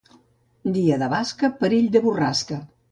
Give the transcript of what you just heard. Dia de basca, perill de borrasca.